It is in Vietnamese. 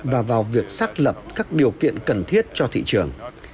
và vào việc xác lập các điều kiện cần thiết cho thị trường